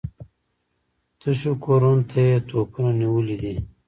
تشو کورونو ته يې توپونه نيولي دي.